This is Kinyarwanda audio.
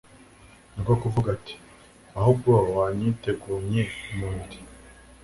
niko kuvuga ati: "Ahubwo wanyitegunye umubiri."